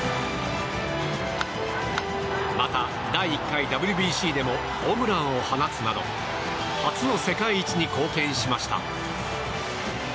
また、第１回ＷＢＣでもホームランを放つなど初の世界一に貢献しました。